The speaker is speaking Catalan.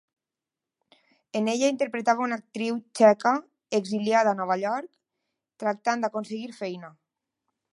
En ella interpretava una actriu txeca exiliada a Nova York tractant d'aconseguir feina.